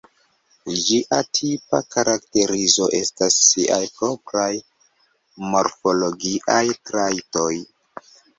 Ĝia tipa karakterizo estas siaj propraj morfologiaj trajtoj.